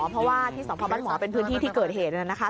เพราะว่าที่สพบ้านหมอเป็นพื้นที่ที่เกิดเหตุนะคะ